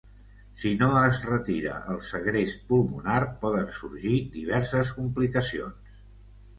Si no es retira el segrest pulmonar, poden sorgir diverses complicacions.